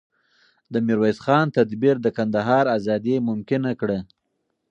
د میرویس خان تدبیر د کندهار ازادي ممکنه کړه.